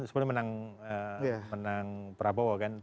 sebenarnya menang prabowo kan